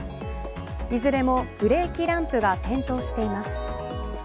いずれもブレーキランプが点灯しています。